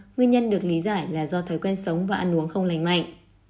nguyên nhân được lý giải là do thói quen sống và ăn uống không lành mạnh